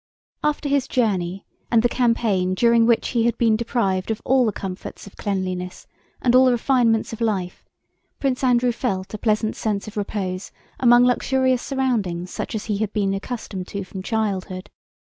After his journey and the campaign during which he had been deprived of all the comforts of cleanliness and all the refinements of life, Prince Andrew felt a pleasant sense of repose among luxurious surroundings such as he had been accustomed to from childhood.